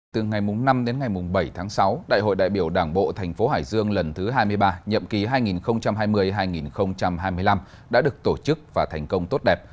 từ ngày năm đến ngày bảy tháng sáu đại hội đại biểu đảng bộ thành phố hải dương lần thứ hai mươi ba nhậm ký hai nghìn hai mươi hai nghìn hai mươi năm đã được tổ chức và thành công tốt đẹp